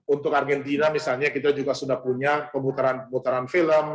untuk argentina misalnya kita juga sudah punya pemutaran pemutaran film